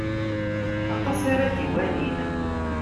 Atas ara d-iwalin.